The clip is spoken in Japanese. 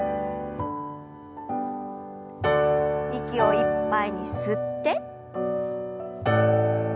息をいっぱいに吸って。